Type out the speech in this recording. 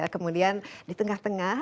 kemudian di tengah tengah